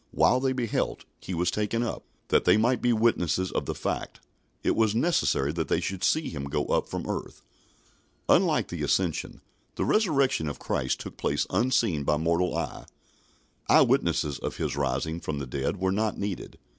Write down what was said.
"While they beheld, he was taken up." That they might be witnesses of the fact, it was necessary that they should see Him go up from earth. Unlike the Ascension, the Resurrection of Christ took place unseen by mortal eye. Eye witnesses of His rising from the dead were not needed.